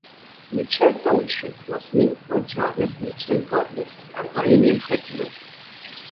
Mitchell Township was named for Charles Mitchell Corliss, a pioneer settler.